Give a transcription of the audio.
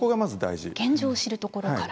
現状を知るところから。